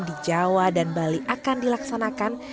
di jawa dan bali akan dilaksanakan